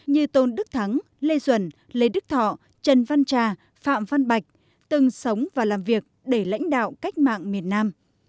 như tôn đức thắng lê duẩn lê đức thọ trần văn trà phạm văn bạch từng sống và làm việc để lãnh đạo cách mạng miền nam